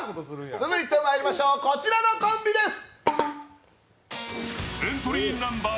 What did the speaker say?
続いてまいりましょうこちらのコンビです。